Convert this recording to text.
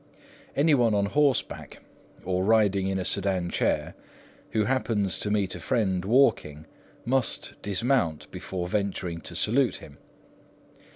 Any one on horseback, or riding in a sedan chair, who happens to meet a friend walking, must dismount before venturing to salute him.